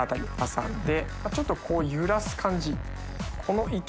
ちょっとこう揺らす感じ。